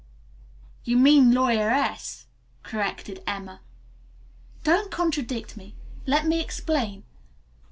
"You mean a lawyeress," corrected Emma. "Don't contradict me. Let me explain.